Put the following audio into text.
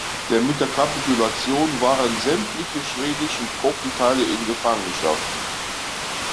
Denn mit der Kapitulation waren sämtliche schwedischen Truppenteile in Gefangenschaft.